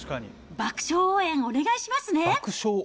爆笑応援、お願いしますね。